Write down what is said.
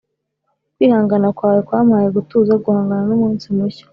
kwihangana kwawe kwampaye gutuza guhangana n'umunsi mushya.